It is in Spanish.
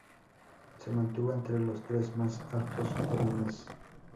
Se mantuvo entre los tres más altos por un mes.